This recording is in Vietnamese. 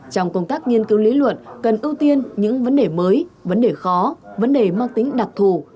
trong công tác nghiên cứu lý luận cần ưu tiên những vấn đề mới vấn đề khó vấn đề mang tính đặc thù